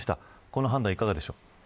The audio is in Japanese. この判断いかがでしょう。